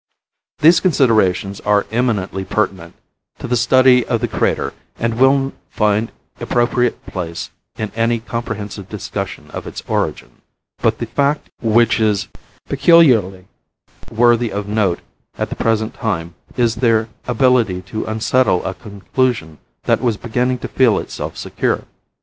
"These considerations are eminently pertinent to the study of the crater and will find appropriate place in any comprehensive discussion of its origin; but the fact which is peculiarly worthy of note at the present time is their ability to unsettle a conclusion that was beginning to feel itself secure.